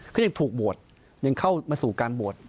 ก็ยังถูกบวชยังเข้ามาสู่ปราณ์บวช